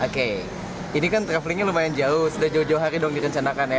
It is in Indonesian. oke ini kan travelingnya lumayan jauh sudah jauh jauh hari dong direncanakan ya